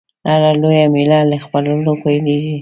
هره لويه میله له خوړو پیلېږي.